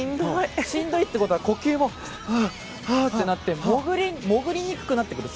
しんどいということは呼吸もハアハアとなって潜りにくくなってくる。